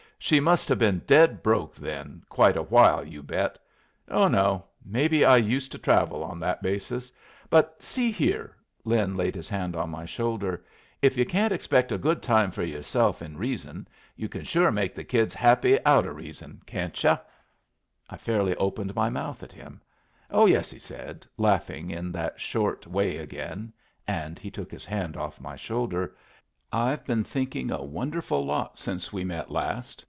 "She must have been dead broke, then, quite a while, you bet! Oh no. Maybe I used to travel on that basis. But see here" (Lin laid his hand on my shoulder), "if you can't expect a good time for yourself in reason, you can sure make the kids happy out o' reason, can't yu'?" I fairly opened my mouth at him. "Oh yes," he said, laughing in that short way again (and he took his hand off my shoulder); "I've been thinking a wonderful lot since we met last.